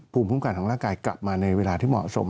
ภูมิคุ้มกันของร่างกายกลับมาในเวลาที่เหมาะสม